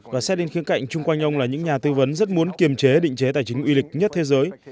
và xét đến khía cạnh chung quanh ông là những nhà tư vấn rất muốn kiềm chế định chế tài chính uy lịch nhất thế giới